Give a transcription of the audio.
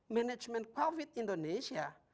management covid indonesia